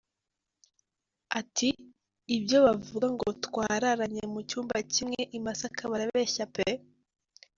Ati: “Ibyo bavuga ngo twararanye mu cyumba kimwe i Masaka barabeshya pe.